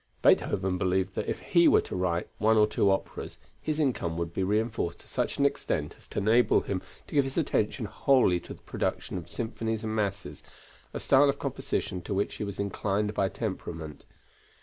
Beethoven believed that if he were to write one or two operas, his income would be reinforced to such an extent as to enable him to give his attention wholly to the production of symphonies and masses, a style of composition to which he was inclined by temperament.